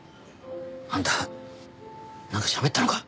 あんたなんかしゃべったのか？